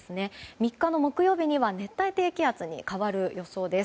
３日の木曜日には熱帯低気圧に変わる予想です。